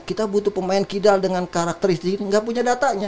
kita butuh pemain kidal dengan karakteristik nggak punya datanya